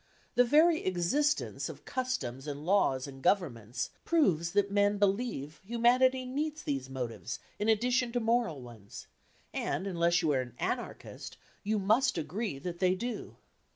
The very existence of customs and laws and governments proves that men believe humanity needs these motives in addition to moral ones, and, unless you are an anarchist, you must agree that they do.